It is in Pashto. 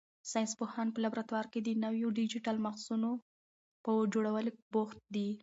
ساینس پوهان په لابراتوار کې د نویو ډیجیټل مغزونو په جوړولو بوخت دي.